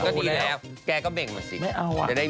ใช่ก็ดีแล้วแกก็เบ่งมาสิจะได้มี